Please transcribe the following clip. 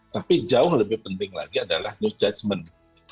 tapi jauh lebih penting lagi adalah news judgment